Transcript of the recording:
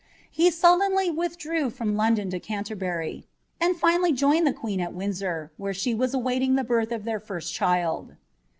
He sullenly wiilidrew from London to Cauterbury, wmI Cr^ joined the queen at Windsor, where she was awaiting the birth of M first child.